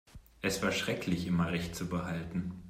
Es war schrecklich, immer Recht zu behalten.